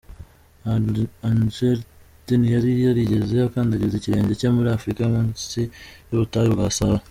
Englert ntiyari yarigeze akandagiza ikirenge cye muri Afurika yo munsi y’ubutayu bwa Sahara.